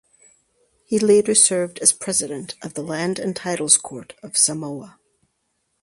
He later served as President of the Land and Titles Court of Samoa.